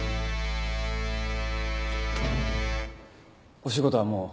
お仕事はもう。